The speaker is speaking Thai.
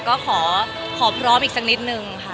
ก็ขอพร้อมอีกสักนิดนึงค่ะ